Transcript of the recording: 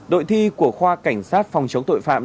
đội thi của khoa cảnh sát phòng chống tội phạm